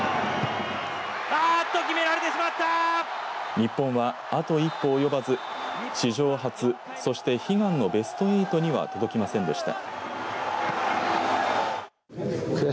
日本は、あと一歩及ばず史上初そして悲願のベスト８には届きませんでした。